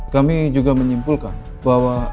kami juga menyimpulkan bahwa